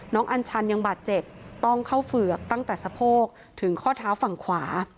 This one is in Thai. อัญชันยังบาดเจ็บต้องเข้าเฝือกตั้งแต่สะโพกถึงข้อเท้าฝั่งขวา